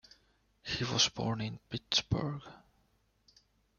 He was born in Pittsburgh.